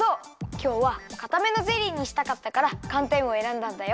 きょうはかためのゼリーにしたかったからかんてんをえらんだんだよ。